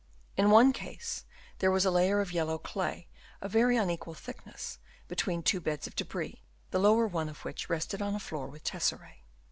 In one case Chap. IV. OF ANCIENT BUILDINGS. 211 there was a layer of yellow clay of very unequal thickness between two beds of debris, the lower one of which rested on a floor with tesserae.